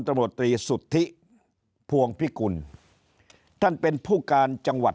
ตำรวจตรีสุทธิพวงพิกุลท่านเป็นผู้การจังหวัด